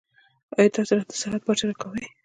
ایا تاسو راته د صحت پارچه راکوئ؟